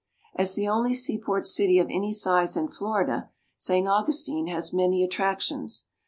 As the only seaport city of any size in Florida, St. Augustine has many attractions.